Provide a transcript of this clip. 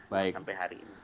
sampai hari ini